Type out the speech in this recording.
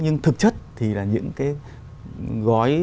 nhưng thực chất thì là những cái gói